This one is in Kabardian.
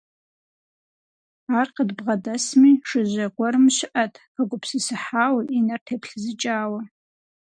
Ар къыдбгъэдэсми жыжьэ гуэрым щыӀэт, хэгупсысыхьауэ, и нэр теплъызыкӀауэ.